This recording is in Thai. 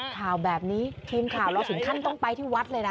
ข่าวแบบนี้ทีมข่าวเราถึงขั้นต้องไปที่วัดเลยนะ